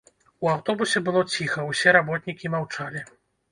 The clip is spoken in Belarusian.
У аўтобусе было ціха, усе работнікі маўчалі.